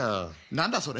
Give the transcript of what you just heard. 何だそれ。